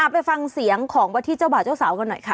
ไปฟังเสียงของวัดที่เจ้าบ่าวเจ้าสาวกันหน่อยค่ะ